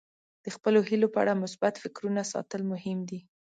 د خپلو هیلو په اړه مثبت فکرونه ساتل مهم دي.